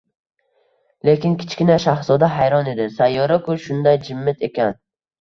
lekin Kichkina shahzoda hayron edi: sayyora-ku shunday jimit ekan